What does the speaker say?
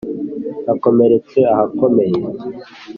Nakomeretse ahakomeye